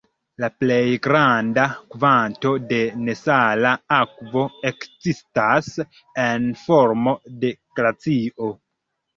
La plej granda kvanto de nesala akvo ekzistas en formo de glacio.